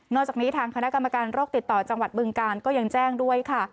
จากนี้ทางคณะกรรมการโรคติดต่อจังหวัดบึงการก็ยังแจ้งด้วยค่ะ